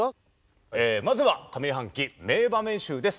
まずは上半期名場面集です。